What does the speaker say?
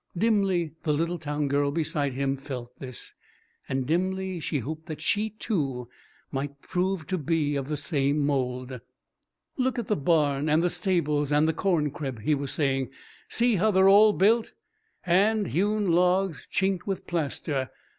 Dimly the little town girl beside him felt this, and dimly she hoped that she, too, might prove to be of the same mould. "Look at the barn, and the stables, and the corncrib," he was saying. "See how they're all built? Hand hewn logs chinked with plaster.